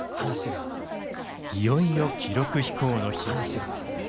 いよいよ記録飛行の日。